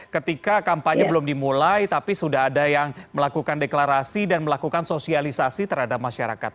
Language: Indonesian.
ketika kampanye belum dimulai tapi sudah ada yang melakukan deklarasi dan melakukan sosialisasi terhadap masyarakat